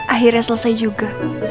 akhirnya selesai juga